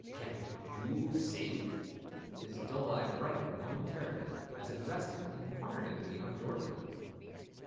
"Can yew sing?" His dull eye brightened momentarily as it rested inquiringly on Dorothy.